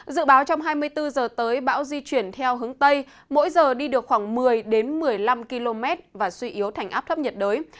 dự báo trong hai mươi bốn h tới bão di chuyển theo hướng tây mỗi giờ đi được khoảng một mươi một mươi năm km và suy yếu thành áp thấp nhiệt đới